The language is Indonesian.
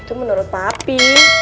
itu menurut papi